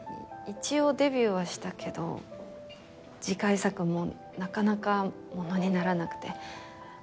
一応デビューはしたけど次回作もなかなかものにならなくて。